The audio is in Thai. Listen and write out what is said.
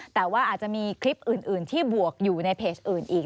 แต่ว่าอาจจะมีคลิปอื่นที่บวกอยู่ในเพจอื่นอีก